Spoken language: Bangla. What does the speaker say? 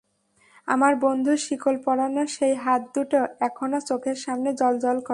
আমার বন্ধুর শিকল পরানো সেই হাত দুটো এখনো চোখের সামনে জ্বলজ্বল করে।